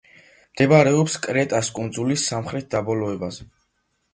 მდებარეობს კრეტას კუნძულის სამხრეთ დაბოლოებაზე.